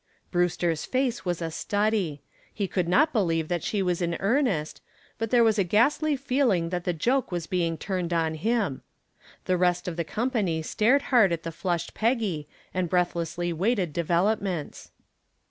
Brewster's face was a study. He could not believe that she was in earnest, but there was a ghastly feeling that the joke was being turned on him. The rest of the company stared hard at the flushed Peggy and breathlessly waited developments.